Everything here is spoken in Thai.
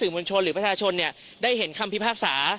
มวลชนหรือประชาชนได้เห็นคำพิพากษา